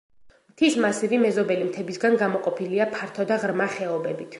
მთის მასივი მეზობელი მთებისაგან გამოყოფილია ფართო და ღრმა ხეობებით.